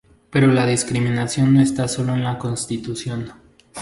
Pero la discriminación no está sólo en la constitución.